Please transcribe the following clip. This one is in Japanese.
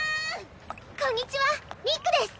こんにちはミックです！